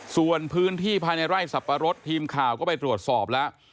ส่วนพื้นที่ภายในไร่สับปะรดทีมข่าวก็ไปตรวจสอบแล้ว